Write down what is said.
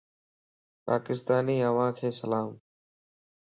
پاڪستاني اوھانک سلام